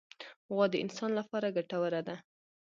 غوا د انسان لپاره ګټوره ده.